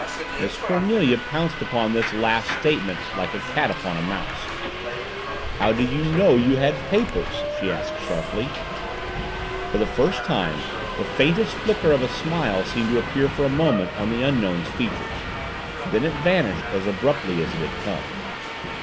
Miss Cornelia pounced upon this last statement like a cat upon a mouse. "How do you know you had papers?" she asked sharply. For the first time the faintest flicker of a smile seemed to appear for a moment on the Unknown's features. Then it vanished as abruptly as it had come.